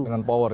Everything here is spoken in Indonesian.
dengan power ya